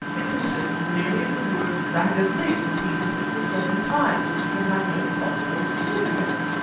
It consists merely of the word 'Zagazig' repeated six or seven times which can have no possible significance!"